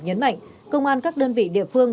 nhấn mạnh công an các đơn vị địa phương